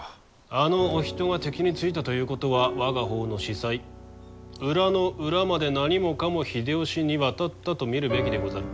あのお人が敵についたということは我が方の子細裏の裏まで何もかも秀吉に渡ったと見るべきでござる。